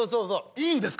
いいんですか？